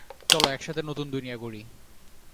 চলো একসাথে নতুন দুনিয়া গড়ি।